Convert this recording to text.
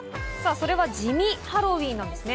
それは地味ハロウィーンなんですね。